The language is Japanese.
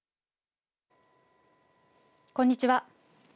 こんにちは。